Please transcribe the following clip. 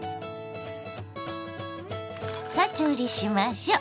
さあ調理しましょ。